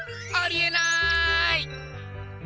ありえない！